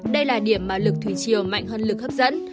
đây là điểm mà lực thủy chiều mạnh hơn lực hấp dẫn